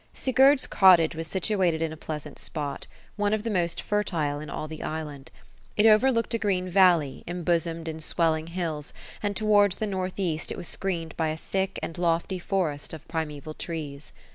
^Sigurd's cottage was situated in a pleasant spot; one of the most fertile in all the island. It overlooked a green valley, embosomed in swelling hills ; and towards the north east it was screened by a thick and lofty forest of primaeval trees.